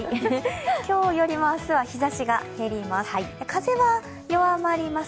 今日よりも明日は日ざしが減ります。